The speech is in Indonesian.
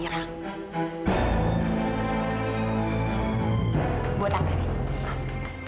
suara pe tilik